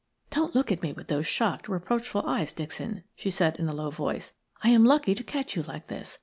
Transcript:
"Don't look at me with those shocked, reproachful eyes, Dixon," she said, in a low voice, "I am lucky to catch you like this.